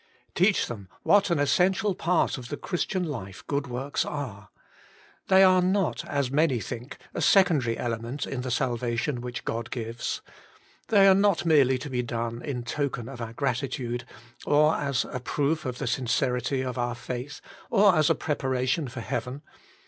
Teach them what an essential part of the Christian life good zvorks are. They are not, as many think, a secondary element in the salvation which God gives. They are not merely to be done in token of our grati tude, or as a proof of the sincerity of our faith, or as a preparation for heaven.